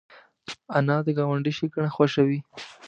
انا د ګاونډي ښېګڼه خوښوي